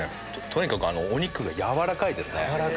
とにかくお肉が軟らかいですね。